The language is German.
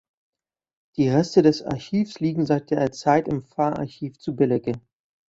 Die Reste des Archivs liegen seit der Zeit im Pfarrarchiv zu Belecke.